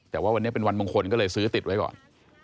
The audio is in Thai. แต่ว่าวันนี้เป็นวันมงคลก็เลยซื้อติดไว้ก่อน